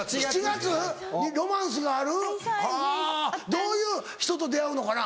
どういう人と出会うのかな？